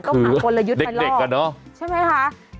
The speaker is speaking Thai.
ต้องหาคนละยุทธ์ไปรออ่ะใช่ไหมคะก็เด็กอะน็อ